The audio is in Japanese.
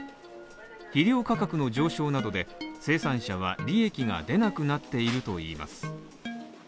肥料価格の上昇などで生産者は利益が出なくなっているといいます。